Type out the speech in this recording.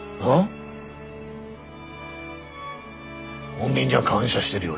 おめえには感謝してるよ